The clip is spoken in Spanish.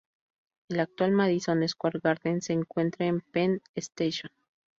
El actual Madison Square Garden se encuentra en Penn Station.